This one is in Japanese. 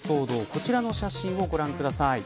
こちらの写真をご覧ください。